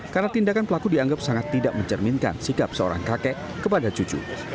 karena tindakan pelaku dianggap sangat tidak mencerminkan sikap seorang kakek kepada cucu